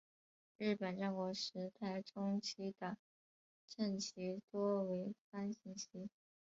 日本战国时代中期的阵旗多为方形旗。